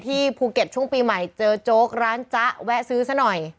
ภูเก็ตช่วงปีใหม่เจอโจ๊กร้านจ๊ะแวะซื้อซะหน่อย